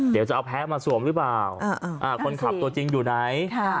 เดี๋ยวจะเอาแพ้มาสวมหรือเปล่าคนขับตัวจริงอยู่ไหน